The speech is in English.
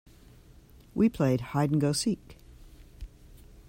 We played hide and go seek.